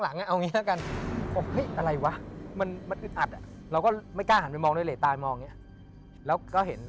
ร่างมาก่อน